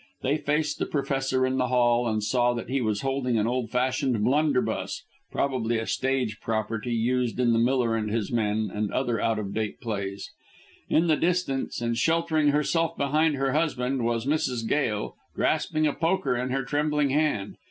They faced the Professor in the hall and saw that he was holding an old fashioned blunderbuss probably a stage property used in "The Miller and His Men" and other out of date plays. In the distance, and sheltering herself behind her husband, was Mrs. Gail grasping a poker in her trembling hand.